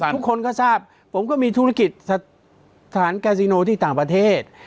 ทุกคนก็ทราบผมก็มีธุรกิจสถานกาซิโนที่ต่างประเทศ